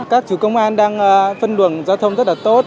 các chủ công an đang phân luồng giao thông rất là tốt